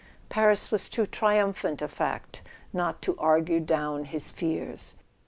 Paris was too triumphant a fact not to argue down his fears.